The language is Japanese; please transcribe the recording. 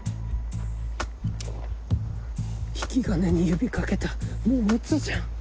引き金に指掛けたもう撃つじゃん。